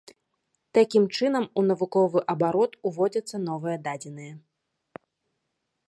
Такім чынам у навуковы абарот уводзяцца новыя дадзеныя.